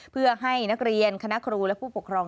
เพื่อให้นักเรียนคณะครูและผู้ปกครอง